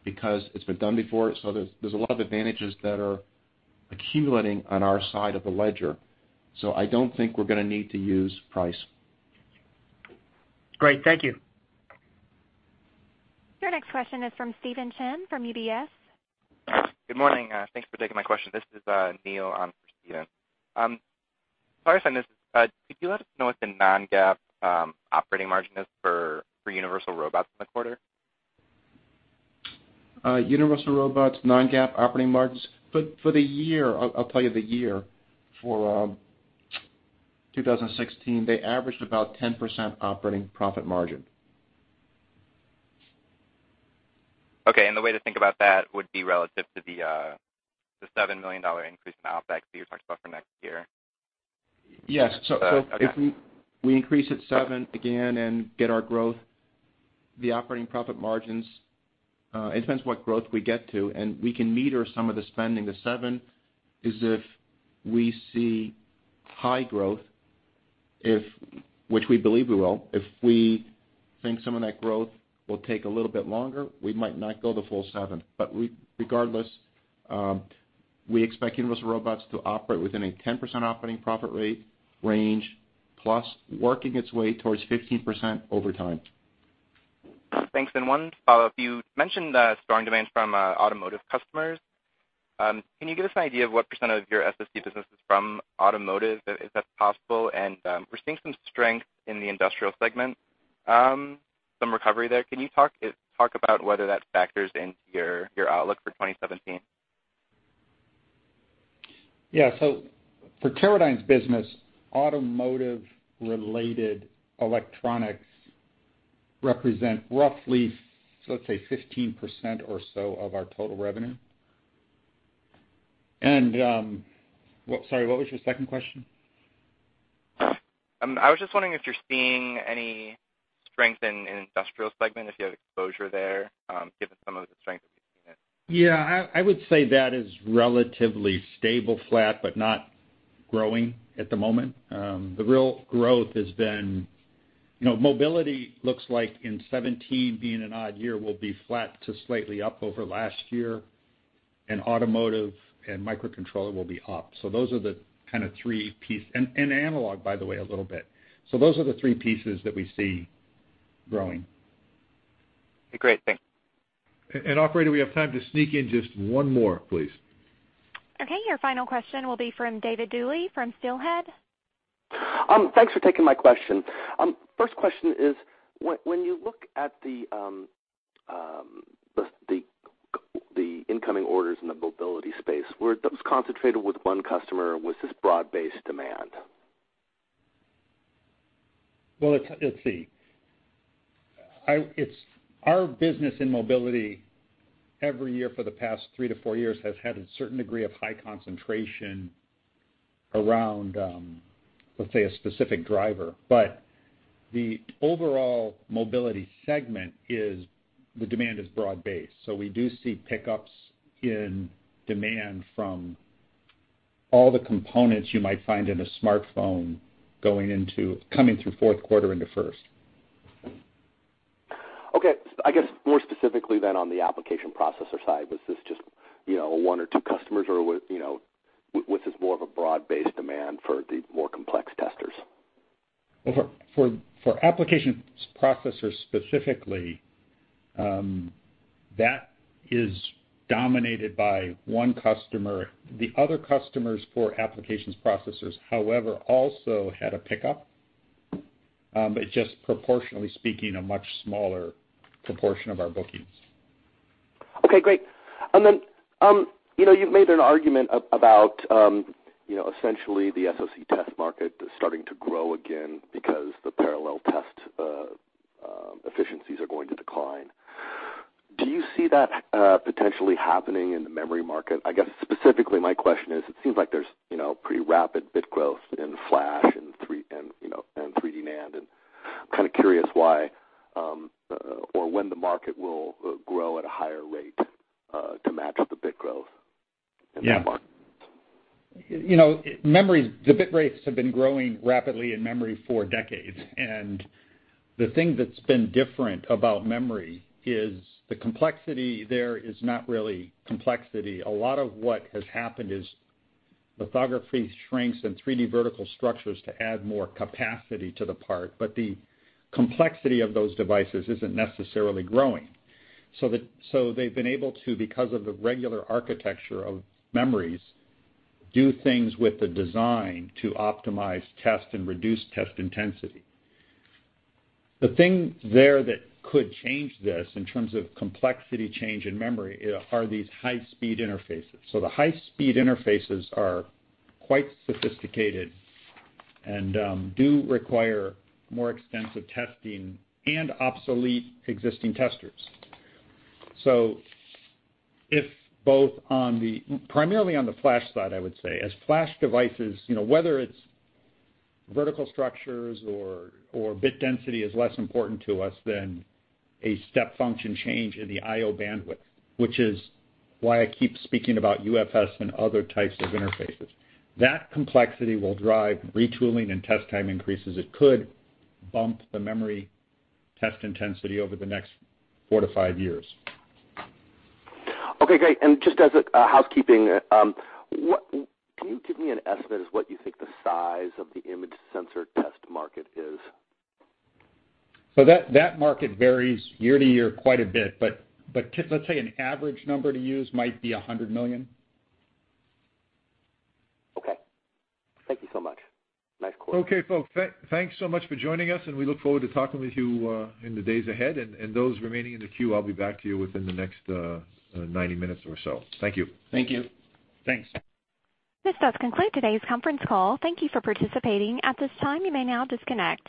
because it's been done before. There's a lot of advantages that are accumulating on our side of the ledger. I don't think we're going to need to use price. Great. Thank you. Your next question is from Stephen Chen from UBS. Good morning. Thanks for taking my question. This is Neil on for Steven. Sorry if this is bad, could you let us know what the non-GAAP operating margin is for Universal Robots in the quarter? Universal Robots non-GAAP operating margins. For the year, I'll tell you the year. For 2016, they averaged about 10% operating profit margin. Okay. The way to think about that would be relative to the $7 million increase in OpEx that you were talking about for next year? Yes. Okay. If we increase it seven again and get our growth, the operating profit margins, it depends what growth we get to, and we can meter some of the spending. The seven is if we see high growth, which we believe we will. If we think some of that growth will take a little bit longer, we might not go the full seven. Regardless, we expect Universal Robots to operate within a 10% operating profit rate range, plus working its way towards 15% over time. One follow-up. You mentioned the strong demand from automotive customers. Can you give us an idea of what % of your SSD business is from automotive, if that's possible? We're seeing some strength in the industrial segment, some recovery there. Can you talk about whether that factors into your outlook for 2017? Yeah. For Teradyne's business, automotive-related electronics represent roughly, let's say, 15% or so of our total revenue. Sorry, what was your second question? I was just wondering if you're seeing any strength in industrial segment, if you have exposure there, given some of the strength that you're seeing it. Yeah, I would say that is relatively stable, flat, not growing at the moment. The real growth has been, mobility looks like in 2017, being an odd year, will be flat to slightly up over last year, automotive and microcontroller will be up. Those are the kind of three pieces Analog, by the way, a little bit. Those are the three pieces that we see growing. Great. Thanks. Operator, we have time to sneak in just one more, please. Okay, your final question will be from David Duley from Steelhead. Thanks for taking my question. First question is, when you look at the incoming orders in the mobility space, were those concentrated with one customer, or was this broad-based demand? Well, let's see. Our business in mobility every year for the past three to four years has had a certain degree of high concentration around, let's say, a specific driver. The overall mobility segment is the demand is broad-based. We do see pickups in demand from all the components you might find in a smartphone coming through fourth quarter into first. Okay. I guess more specifically then on the application processor side, was this just one or two customers, or was this more of a broad-based demand for the more complex testers? For application processors specifically, that is dominated by one customer. The other customers for applications processors, however, also had a pickup. Just proportionally speaking, a much smaller proportion of our bookings. Okay, great. You've made an argument about essentially the SoC test market starting to grow again because the parallel test efficiencies are going to decline. Do you see that potentially happening in the memory market? I guess specifically my question is, it seems like there's pretty rapid bit growth in flash and 3D NAND, I'm kind of curious why, or when the market will grow at a higher rate, to match the bit growth in the market. The bit rates have been growing rapidly in memory for decades, the thing that's been different about memory is the complexity there is not really complexity. A lot of what has happened is lithography shrinks and 3D vertical structures to add more capacity to the part, but the complexity of those devices isn't necessarily growing. They've been able to, because of the regular architecture of memories, do things with the design to optimize test and reduce test intensity. The thing there that could change this in terms of complexity change in memory are these high-speed interfaces. The high-speed interfaces are quite sophisticated and do require more extensive testing and obsolete existing testers. If both on the, primarily on the flash side, I would say, as flash devices, whether it's vertical structures or bit density is less important to us than a step function change in the IO bandwidth, which is why I keep speaking about UFS and other types of interfaces. That complexity will drive retooling and test time increases. It could bump the memory test intensity over the next four to five years. Okay, great. Just as a housekeeping, can you give me an estimate as what you think the size of the image sensor test market is? That market varies year to year quite a bit, but let's say an average number to use might be $100 million. Okay. Thank you so much. Nice quarter. Okay, folks, thanks so much for joining us. We look forward to talking with you in the days ahead. Those remaining in the queue, I'll be back to you within the next 90 minutes or so. Thank you. Thank you. Thanks. This does conclude today's conference call. Thank you for participating. At this time, you may now disconnect.